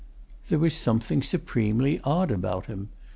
There was something supremely odd about him.